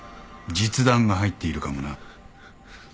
実弾が入っているかもな。